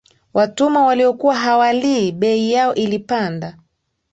Watumwa waliokuwa hawalii bei yao ilipanda